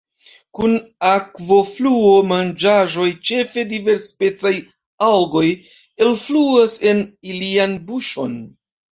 Kun akvofluo manĝaĵoj, ĉefe diversspecaj algoj, enfluas en ilian buŝon.